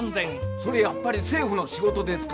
それやっぱり政府の仕事ですか？